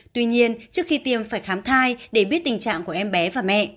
tuy nhiên trước khi tiêm phải khám thai để biết tình trạng của em bé và mẹ